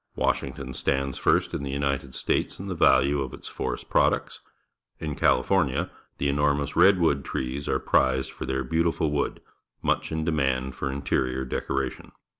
Washington stands first in the United States in the value of its forest products. In California the enormous red wood trees are prized for their beautiful wood, much in demand for interior decoration.